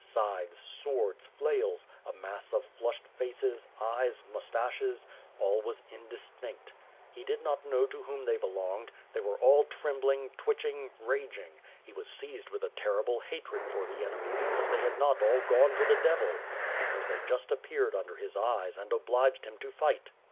Scythes, swords, flails, a mass of flushed faces, eyes, moustaches. ... all was indistinct. 388 WITH FIRE ASD SWORD, He did not know to whom they belonged; they were all trembling, twitching, raging. He was seized with a terrible hatred for the enemy because they had not all gone to the devil; because they just appeared under his eyes and obliged him to fight.